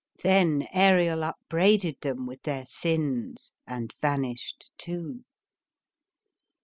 Then Ariel upbraided them with their sins and vanished too.